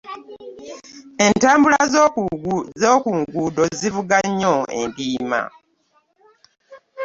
Entambula zokunguudo zivuga nnyo ndiima.